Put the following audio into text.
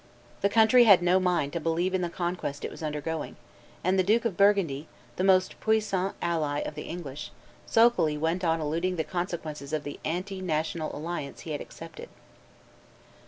The country had no mind to believe in the conquest it was undergoing; and the Duke of Burgundy, the most puissant ally of the English, sulkily went on eluding the consequences of the anti national alliance he had accepted.